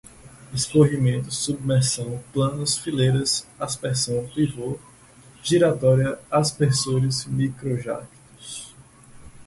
escorrimento, submersão, planos, fileiras, aspersão, pivô, giratória, aspersores, microjactos